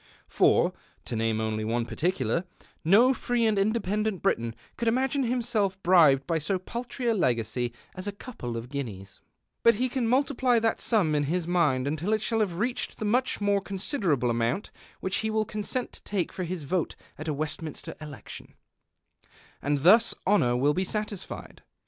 For, to name only one particular, no free and independent Briton could imagine himself bribed by so paltry a legacy as a 24 PARTRIDGE AT "JULIUS C^SAR" couple of guineas ; but he can multiply that sum in his mind until it shall have reached the nuich more considerable amount which he will consent to take for his vote at a Westminster election ; and thus honour will be satisfied.